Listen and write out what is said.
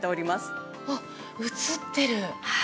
わっ映ってる。